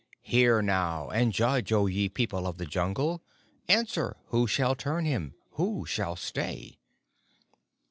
Hear, now, and judge, O ye People of the Jungle, Answer, who shall turn him who shall stay?